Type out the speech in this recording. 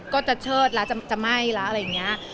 ก็จะเชิดแล้วจะไหม้แล้วอะไรอย่างนี้